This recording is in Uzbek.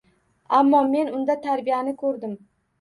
Ammo men unda tarbiyani ko‘rdim.